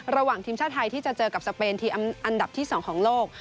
ระหว่างทีมชาติไทยที่จะเจอกับสเปนทีมอันดับที่๒ของโลก